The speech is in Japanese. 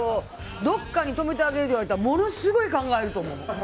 どこかに泊めてあげる言われたらものすごい考えると思う。